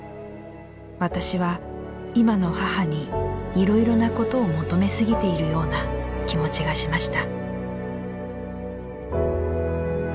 私は、今の母にいろいろなことを求めすぎているような気持ちがしました」。